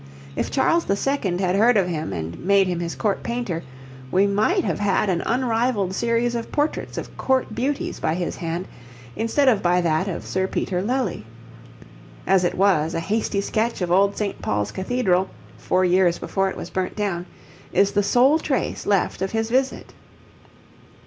If Charles II. had heard of him and made him his court painter, we might have had an unrivalled series of portraits of court beauties by his hand instead of by that of Sir Peter Lely. As it was, a hasty sketch of old St. Paul's Cathedral, four years before it was burnt down, is the sole trace left of his visit.